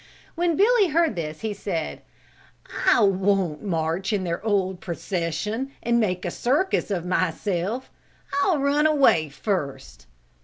When Billy heard this he said, "I won't march in their old procession, and make a circus of myself. I'll run away first."